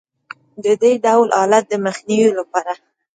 د دې ډول حالت د مخنیوي لپاره